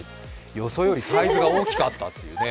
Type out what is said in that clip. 予想よりサイズが大きかったんですね。